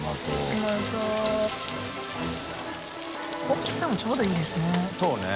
大きさもちょうどいいですね。